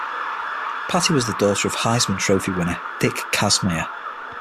Patty was the daughter of Heisman Trophy winner Dick Kazmaier.